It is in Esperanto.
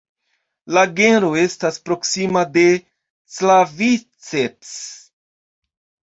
La genro estas proksima de "Claviceps".